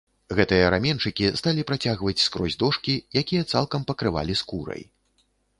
Гэтыя раменьчыкі сталі працягваць скрозь дошкі, якія цалкам пакрывалі скурай.